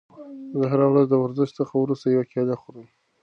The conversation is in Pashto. زه هره ورځ د ورزش څخه وروسته یوه کیله خورم.